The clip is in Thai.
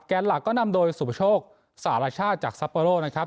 แก๊สหลักก็นำโดยสุพชกสหราชาติจากซัปโปรโลนะครับ